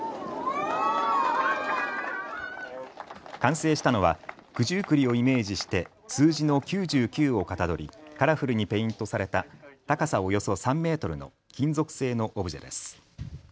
完成したのは九十九里をイメージして数字の９９をかたどりカラフルにペイントされた高さおよそ３メートルの金属製のオブジェです。